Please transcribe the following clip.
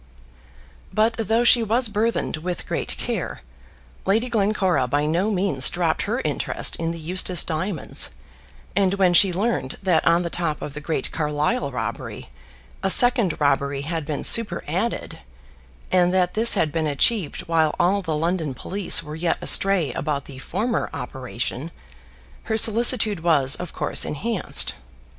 But though she was burthened with great care, Lady Glencora by no means dropped her interest in the Eustace diamonds; and when she learned that on the top of the great Carlisle robbery a second robbery had been superadded, and that this had been achieved while all the London police were yet astray about the former operation, her solicitude was of course enhanced.